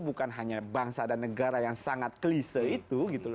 bukan hanya bangsa dan negara yang sangat kelise itu